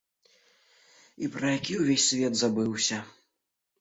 І пра які ўвесь свет забыўся.